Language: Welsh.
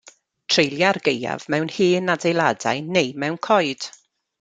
Treulia'r gaeaf mewn hen adeiladau neu mewn coed.